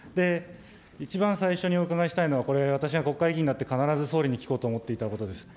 一番最初にお伺いしたいのは、これは私が国会議員になって必ず総理に聞こうと思っていたことです。